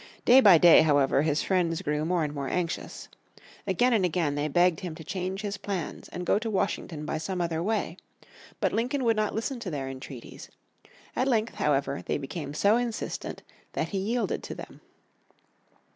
Day by day, however, his friends grew more and more anxious. Again and again they begged him to change his plans and go to Washington by some other way. But Lincoln would not listen to their entreaties. At length, however, they became so insistent that he yielded to them.